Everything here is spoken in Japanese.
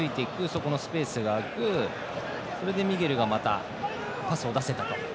そこのスペースが開くそこでミゲルがまたパスを出せたと。